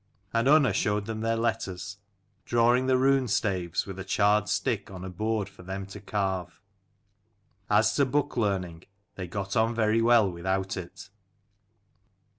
And Unna showed them their letters, drawing the runestaves with a charred stick on a board for them to carve. As to book learning, they got on very well without it.